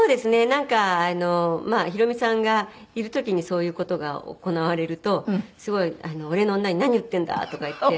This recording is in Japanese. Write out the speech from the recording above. なんかヒロミさんがいる時にそういう事が行われるとすごい「俺の女に何言ってんだ」とか言って。